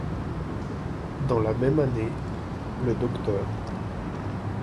Dans la même année, le Dr.